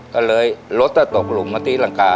ก็เลยลดตะตกหลุมมาตีหลังกา